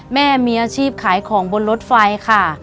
แม่มีอาชีพขายของบนรถไฟค่ะ